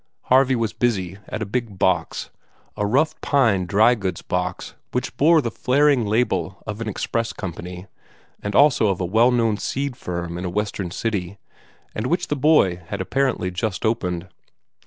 Harvey was busy at a big box a rough pine dry goods box which bore the flaring label of an express company, and also of a well known seed firm in a Western city, and which the boy had apparently just opened.